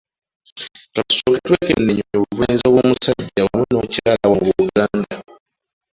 Ka tusooke twekenneenye obuvunaanyizibwa bw’omusajja wamu n’omukyala wano mu Buganda